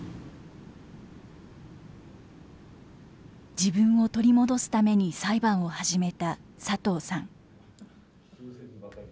自分を取り戻すために裁判を始めた佐藤さん。